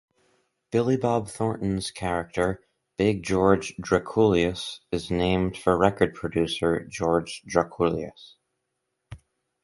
Billy Bob Thornton's character, Big George Drakoulias, is named for record producer George Drakoulias.